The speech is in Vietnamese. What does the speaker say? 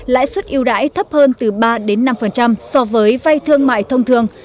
lãi suất yêu đãi thấp hơn từ ba năm so với vay thương mại thông thường